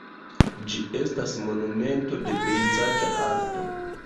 Ĝi estas monumento de pejzaĝa arto.